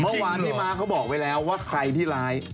เมื่อวานพี่ม้าเขาบอกไว้แล้วว่าใครที่ร้าย